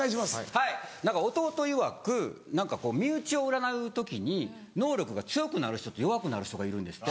はい弟いわく身内を占う時に能力が強くなる人と弱くなる人がいるんですって。